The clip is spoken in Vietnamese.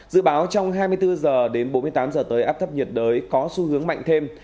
dự báo trong hai mươi bốn h đến bốn mươi tám h tới áp thấp nhiệt đới có xu hướng mạnh thêm